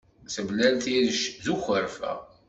Temlal tirect d ukerfa.